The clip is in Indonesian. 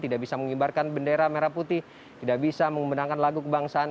tidak bisa mengibarkan bendera merah putih tidak bisa memenangkan lagu kebangsaan